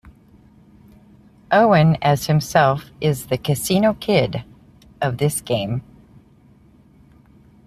Owen as himself is the 'Casino Kid' of this game.